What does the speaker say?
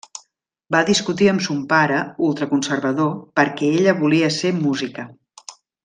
Va discutir amb son pare, ultraconservador, perquè ella volia ser música.